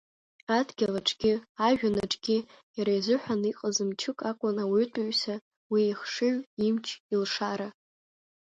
Адгьыл аҿгьы ажәҩан аҿгьы иара изыҳәан иҟаз мчык акәын ауаҩытәыҩса, уи ихшыҩ, имч, илшара.